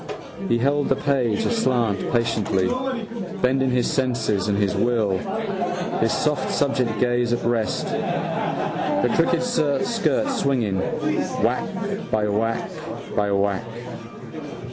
He held the page aslant patiently, bending his senses and his will, his soft subject gaze at rest. The crooked skirt swinging, whack by whack by whack.